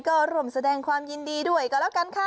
ก็ร่วมแสดงความยินดีด้วยก็แล้วกันค่ะ